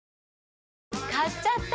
買っちゃった！